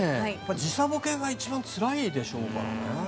時差ぼけが一番つらいでしょうからね。